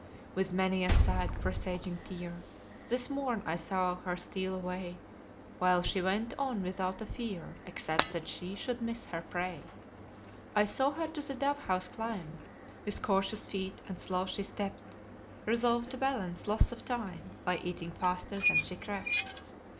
With many a sad, presaging tear, This morn I saw her steal away, While she went on without a fear, Except that she should miss her prey. I saw her to the dove house climb, With cautious feet and slow she stept, Resolved to balance loss of time By eating faster than she crept.